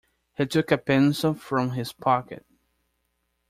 He took a pencil from his pocket.